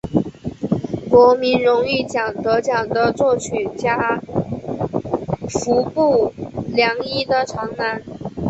国民荣誉奖得奖的作曲家服部良一的长男。